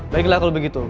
baiklah kalau begitu